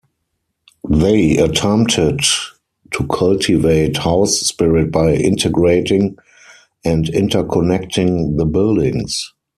They attempted to cultivate house spirit by integrating and interconnecting the buildings.